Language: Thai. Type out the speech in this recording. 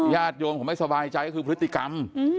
ญาติโยมเขาไม่สบายใจก็คือพฤติกรรม